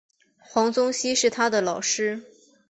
黄宗羲是他的老师。